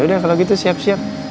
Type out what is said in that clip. yaudah kalo gitu siap siap